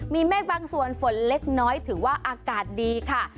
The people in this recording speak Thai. มีเมฆบางส่วนฝนเล็กน้อยถือว่าอากาศดีค่ะ